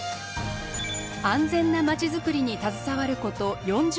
安全な街づくりに携わること４０年以上。